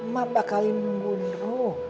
mak bakal membunuh